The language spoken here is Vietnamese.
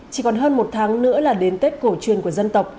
chỉ còn hơn một tháng nữa là đến tết cổ truyền của dân tộc